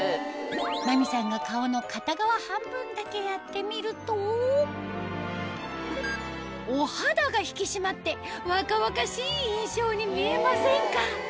真美さんが顔の片側半分だけやってみるとお肌が引き締まって若々しい印象に見えませんか？